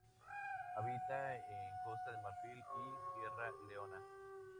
Habita en Costa de Marfil y Sierra Leona.